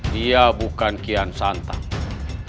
dia bukan kian santan